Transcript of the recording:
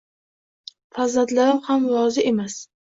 Farzandlarim ham rozi emas